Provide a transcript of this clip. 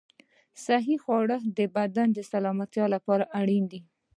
صحي خواړه د بدن سلامتیا لپاره اړین دي.